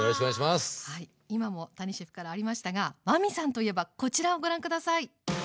今も谷シェフからありましたが真海さんといえばこちらをご覧下さい。